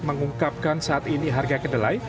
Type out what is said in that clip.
mengungkapkan saat ini harga kedelai